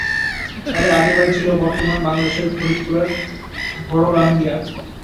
তাদের আদি বাড়ি ছিল বর্তমান বাংলাদেশের ফরিদপুরের ভড়রামদিয়া।